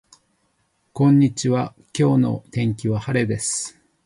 こんにちは今日の天気は晴れです